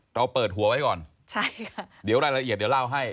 เราเปิดหัวไว้ก่อนใช่ค่ะเดี๋ยวรายละเอียดเดี๋ยวเล่าให้